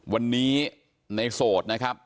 วันนี้ในโสดนะครับ